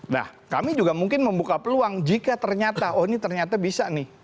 nah kami juga mungkin membuka peluang jika ternyata oh ini ternyata bisa nih